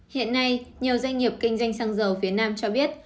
hiện nay nhiều doanh nghiệp kinh doanh xăng dầu phía nam cho biết